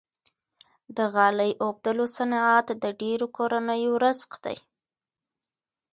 د غالۍ اوبدلو صنعت د ډیرو کورنیو رزق دی۔